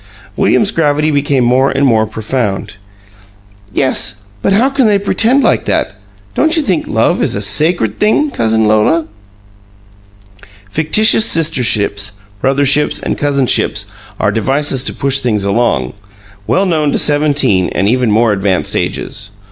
William's gravity became more and more profound. "Yes, but how can they pretend like that? Don't you think love is a sacred thing, Cousin Lola?" Fictitious sisterships, brotherships, and cousinships are devices to push things along, well known to seventeen and even more advanced ages.